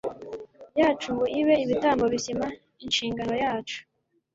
yacu ngo ibe ibitambo bizima. Inshingano yacu